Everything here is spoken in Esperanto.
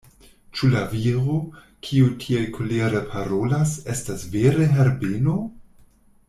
Ĉu la viro, kiu tiel kolere parolas, estas vere Herbeno?